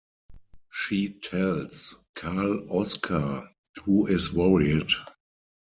She tells Karl Oskar, who is worried.